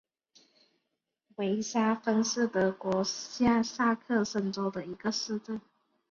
维沙芬是德国下萨克森州的一个市镇。